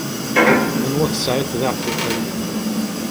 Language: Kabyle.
Anwa tesɛiḍ d aɛtiq ay ul!